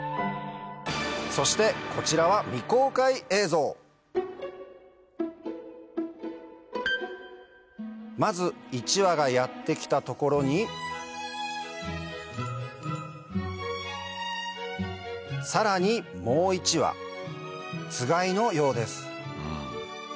そしてこちらはまず１羽がやって来たところにさらにもう１羽つがいのようです